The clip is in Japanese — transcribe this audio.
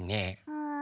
うん？